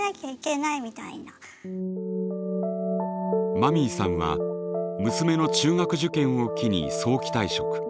マミーさんは娘の中学受験を機に早期退職。